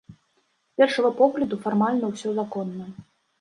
З першага погляду, фармальна ўсё законна.